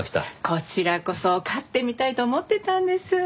こちらこそ飼ってみたいと思ってたんです。